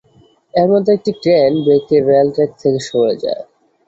এর মধ্যে একটি ক্রেন বেঁকে রেল ট্র্যাক থেকে সরে যায়।